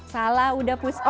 salah udah puspa